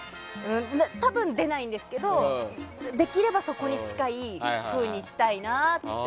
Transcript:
多分、出ないんですけどできればそこに近いふうにしたいなって。